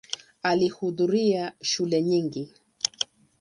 Alihudhuria shule nyingi.